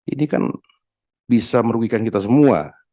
ini kan bisa merugikan kita semua